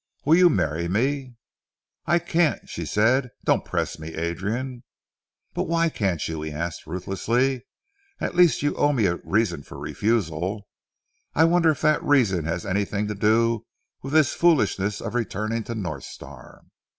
Will you marry me?" "I can't," she said. "Don't press me, Adrian." "But why can't you?" he asked ruthlessly. "At least you owe me a reason for refusal. I wonder if that reason has anything to do with this foolishness of returning to North Star."